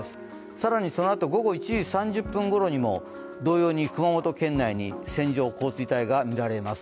更にそのあと、午後１時３０分ごろにも、同様に熊本県内に線状降水帯が見られます。